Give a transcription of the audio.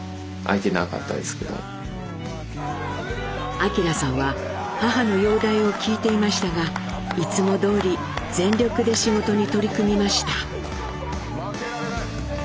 明さんは母の容体を聞いていましたがいつもどおり全力で仕事に取り組みました。